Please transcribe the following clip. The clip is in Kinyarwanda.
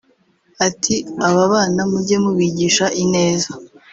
Ati “Aba bana mujye mubigisha ineza